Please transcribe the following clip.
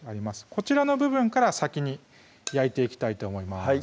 こちらの部分から先に焼いていきたいと思います